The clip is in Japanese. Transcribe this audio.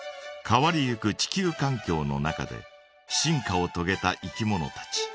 変わりゆく地球かん境の中で進化をとげたいきものたち。